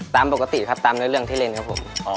ตามปกติครับตามด้วยเรื่องที่เล่นครับผม